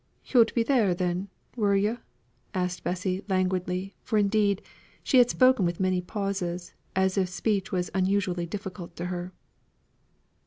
"Yo'd be there then, were yo'?" asked Bessie languidly: for indeed, she had spoken with many pauses, as if speech was unusually difficult to her.